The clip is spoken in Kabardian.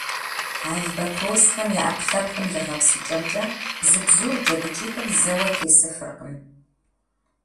Албатросхэм я Ӏэпкълъэпкъым и гъэпсыкӀэмкӀэ, зы бзур джэдыкӀитӀым зэуэ тесыфыркъым.